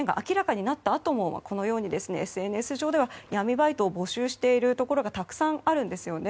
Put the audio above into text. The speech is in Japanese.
一連の事件が明らかになったあともＳＮＳ上では闇バイトを募集しているところがたくさんあるんですよね。